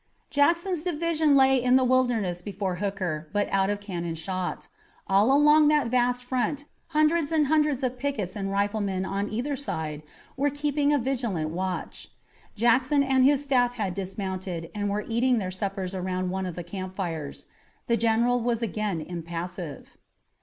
Jackson's division lay in the Wilderness before Hooker, but out of cannon shot. All along that vast front hundreds and hundreds of pickets and riflemen on either side were keeping a vigilant watch. Jackson and his staff had dismounted and were eating their suppers around one of the campfires. The general was again impassive.